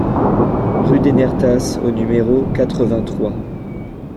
Rue des Nertas au numéro quatre-vingt-trois